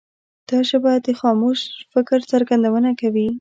دا ژبه د خاموش فکر څرګندونه کوي.